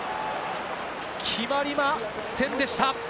決まりませんでした。